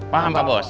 paham pak bos